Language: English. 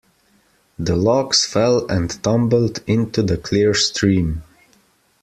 The logs fell and tumbled into the clear stream.